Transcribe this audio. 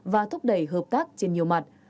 và thúc đẩy hợp tác trên nhiều mặt